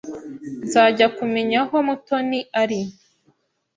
Nzajya kumenya aho Mutoni ari.